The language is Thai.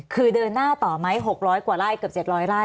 คือเดินหน้าต่อไหม๖๐๐กว่าไร่เกือบ๗๐๐ไร่